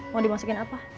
mau dimasakin apa